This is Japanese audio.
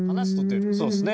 そうですね。